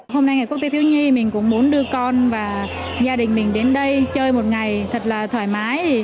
hôm nay ngày quốc tế thiếu nhi mình cũng muốn đưa con và gia đình mình đến đây chơi một ngày thật là thoải mái